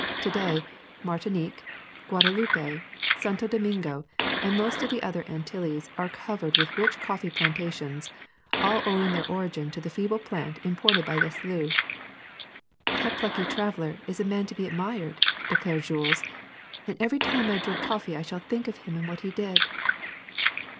To day Martinique, Guadeloupe, Santo Domingo, and most of the other Antilles are covered with rich coffee plantations, all owing their origin to the feeble plant imported by Declieux.^' ^^That plucky traveler is a man to be admired,'' declared Jules, ^' and every time I drink coffee I shall think of him and what he did.